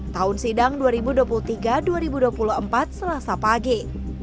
tahun sidang dua ribu dua puluh tiga dua ribu dua puluh empat selasa pagi